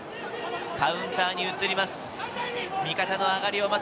カウンターに移ります。